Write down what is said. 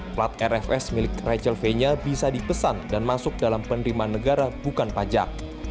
plat rfs milik rachel fenya bisa dipesan dan masuk dalam penerimaan negara bukan pajak